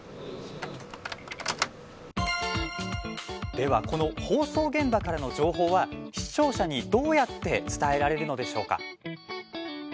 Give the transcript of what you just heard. では、この放送現場からの情報は視聴者にどうやって伝えられるのでしょうか。